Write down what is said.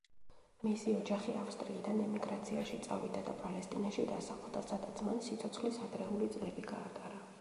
მისი ოჯახი, ავსტრიიდან ემიგრაციაში წავიდა და პალესტინაში დასახლდა, სადაც მან სიცოცხლის ადრეული წლები გაატარა.